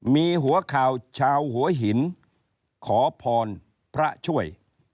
มีหัวข่าวชาวหัวหินขอพรพระช่วย